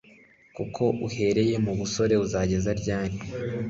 kuko uhereye mu busore uzageza ryari